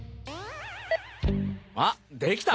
あっできた。